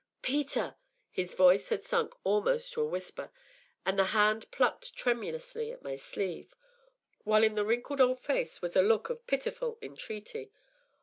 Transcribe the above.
"Peter!" His voice had sunk almost to a whisper, and the hand plucked tremulously at my sleeve, while in the wrinkled old face was a look of pitiful entreaty.